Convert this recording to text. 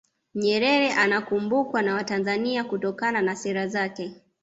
nyerere anakumbukwa na watanzania kutokana na sera zake